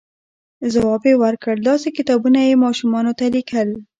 ځواب یې ورکړ، داسې کتابونه یې ماشومانو ته لیکل،